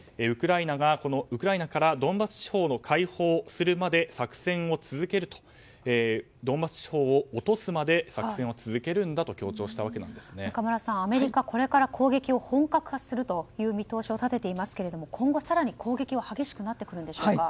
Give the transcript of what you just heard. ウクライナからドンバス地方を解放するまでドンバス地方を落とすまで作戦を続けるんだと中村さん、アメリカはこれから攻撃を本格化するという見通しを立てていますが今後、更に攻撃は激しくなってくるんでしょうか。